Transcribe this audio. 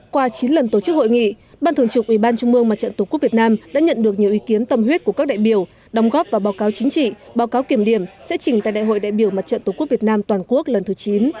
qua chín lần tổ chức hội nghị ban thường trục ủy ban trung mương mặt trận tổ quốc việt nam đã nhận được nhiều ý kiến tâm huyết của các đại biểu đồng góp vào báo cáo chính trị báo cáo kiểm điểm sẽ trình tại đại hội đại biểu mặt trận tổ quốc việt nam toàn quốc lần thứ chín